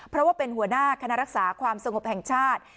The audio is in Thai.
เพราะว่าเป็นหัวหน้าคณะรักษาความสงบแห่งชาติ